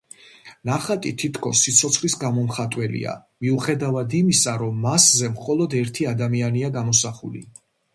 ნახატი თითქოს სიცოცხლის გამომხატველია, მიუხედავად იმისა, რომ მასზე მხოლოდ ერთი ადამიანია გამოსახული.